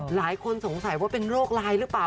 หลายคนสงสัยว่าเป็นโรคร้ายหรือเปล่า